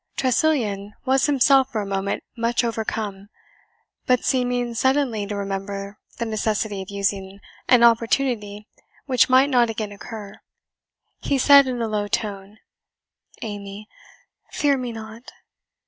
Tressilian was himself for a moment much overcome, but seeming suddenly to remember the necessity of using an opportunity which might not again occur, he said in a low tone, "Amy, fear me not."